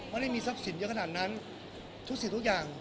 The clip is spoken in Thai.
ไม่ได้มีทรัพย์สินเยอะขนาดนั้นทุกสิ่งทุกอย่าง